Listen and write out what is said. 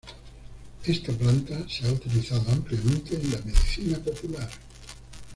Esta planta se ha utilizado ampliamente en la medicina popular.